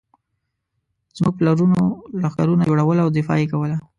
زموږ پلرونو لښکرونه جوړول او دفاع یې کوله.